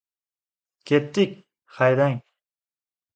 Ketdik, haydang!